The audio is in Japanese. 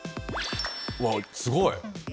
わっすごい。